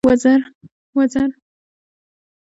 وزر.